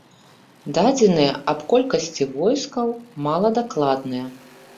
Дадзеныя аб колькасці войскаў мала дакладныя.